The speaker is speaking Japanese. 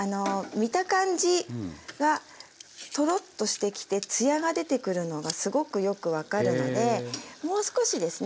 見た感じがトロッとしてきてツヤが出てくるのがすごくよく分かるのでもう少しですね。